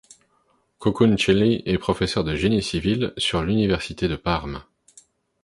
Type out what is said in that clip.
Cocconcelli est professeur de génie civil sur l'Université de Parme.